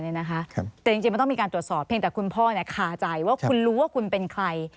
แต่จริงมันต้องมีการตรวจสอบเพียงแต่คุณพ่อคาใจว่าคุณรู้ว่าคุณเป็นใคร